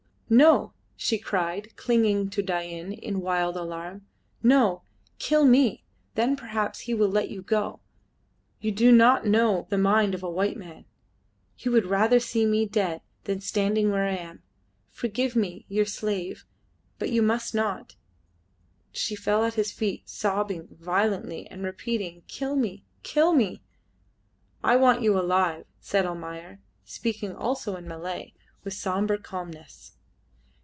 "No!" she cried, clinging to Dain in wild alarm. "No! Kill me! Then perhaps he will let you go. You do not know the mind of a white man. He would rather see me dead than standing where I am. Forgive me, your slave, but you must not." She fell at his feet sobbing violently and repeating, "Kill me! Kill me!" "I want you alive," said Almayer, speaking also in Malay, with sombre calmness.